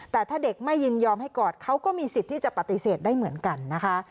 แต่ถ้าเด็กไม่ยินยอมให้กอดเขาก็มีสิทธิ์ที่จะปฏิเสธได้เหมือนกันนะคะ